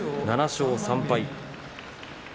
７勝３敗。